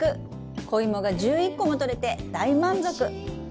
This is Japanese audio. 子イモが１１個もとれて大満足！